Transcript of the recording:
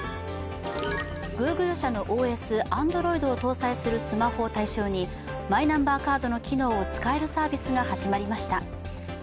Ｇｏｏｇｌｅ社のＯＳ、Ａｎｄｒｏｉｄを搭載するスマホを対象にマイナンバーカードの機能を使えるサービスが始まりました。